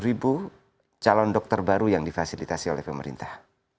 dua puluh ribu calon dokter baru yang difasilitasi oleh pemerintah